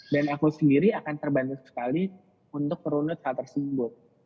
dan aku sendiri akan terbantu sekali untuk merunut hal tersebut